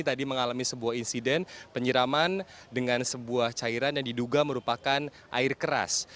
tadi mengalami sebuah insiden penyiraman dengan sebuah cairan yang diduga merupakan air keras